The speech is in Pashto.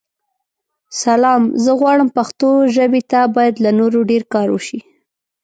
سلام؛ زه غواړم پښتو ژابې ته بايد لا نور ډير کار وشې.